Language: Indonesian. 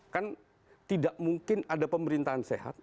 kan tidak mungkin ada pemerintahan sehat